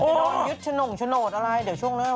โอ๊ยยึดชนงชนดอะไรเดี๋ยวช่วงแล้ว